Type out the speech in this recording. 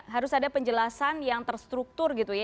harus ada penjelasan yang terstruktur gitu ya